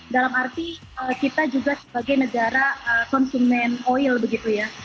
dalam arti kita juga sebagai negara konsumen oil begitu ya